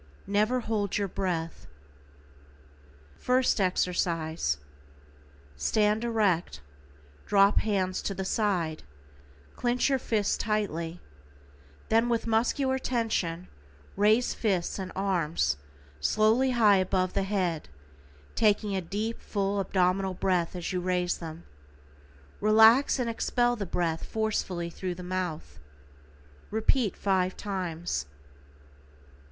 NEVER HOLD YOUR BREATH. =FIRST EXERCISE:= Stand erect, drop hands to the side, clinch your fists tightly, then with muscular tension raise fists and arms slowly high above the head, taking a deep, full, abdominal breath as you raise them, relax and expel the breath forcefully through the mouth. Repeat 5 times.